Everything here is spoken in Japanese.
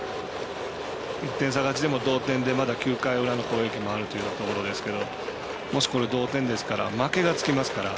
１点差勝ちでも同点でまだ９回裏の攻撃があるということですがこれ同点ですから負けがつきますから。